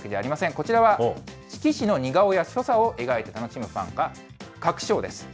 こちらは、棋士の似顔絵や所作を描いて楽しむファンが描く将です。